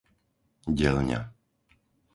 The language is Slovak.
Delňa